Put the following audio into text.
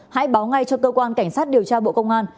hãy báo ngay cho cơ quan cảnh sát điều tra bộ công an